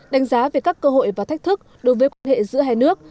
đánh giá về các cơ hội và thách thức đối với quan hệ giữa hai nước